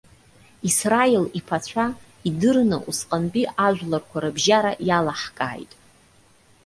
Исраил иԥацәа, идырны усҟантәи ажәларқәа рыбжьара иалаҳкааит.